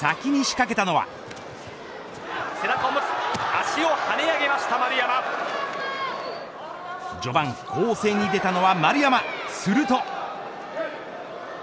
背中を持つ序盤、攻勢に出たのは丸山すると。